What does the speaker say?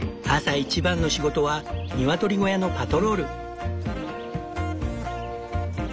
朝一番の仕事はニワトリ小屋のパトロール。